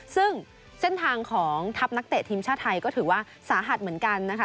ซึ่งเส้นทางของทัพนักเตะทีมชาติไทยก็ถือว่าสาหัสเหมือนกันนะคะ